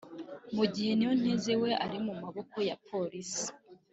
mu gihe Niyonteze we ari mu maboko ya Polisi